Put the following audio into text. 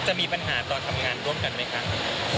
จะมีปัญหาตอนทำงานร่วมกันไหมคะ